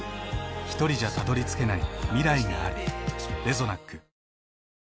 ひとりじゃたどりつけない未来がある。